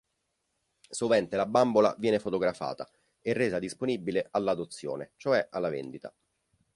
Sovente la bambola viene fotografata e resa disponibile all'"adozione", cioè alla vendita.